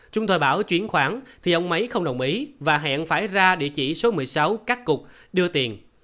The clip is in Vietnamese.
trung tòi bảo chuyển khoản thì ông ấy không đồng ý và hẹn phải ra địa chỉ số một mươi sáu cát cục đưa tiền